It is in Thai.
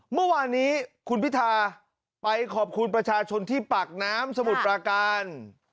เมื่อวานนี้คุณพิธาไปขอบคุณประชาชนที่ปากน้ำสมุทรปราการ